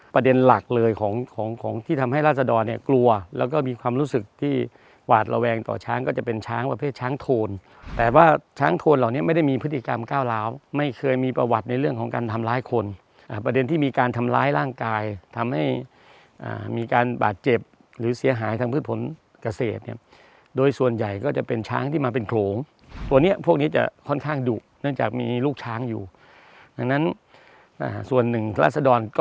ประเด็นหลักเลยของของของที่ทำให้ราษดรเนี้ยกลัวแล้วก็มีความรู้สึกที่หวาดระแวงต่อช้างก็จะเป็นช้างประเภทช้างโทนแต่ว่าช้างโทนเหล่านี้ไม่ได้มีพฤติกรรมก้าวล้าวไม่เคยมีประวัติในเรื่องของการทำร้ายคนอ่ะประเด็นที่มีการทำร้ายร่างกายทำให้อ่ามีการบาดเจ็บหรือเสียหายทางพื้นผลเกษ